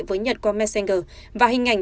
với nhật qua messenger và hình ảnh